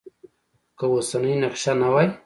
که اوسنی نقش نه وای.